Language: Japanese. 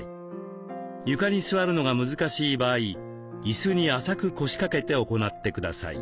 床に座るのが難しい場合イスに浅く腰掛けて行ってください。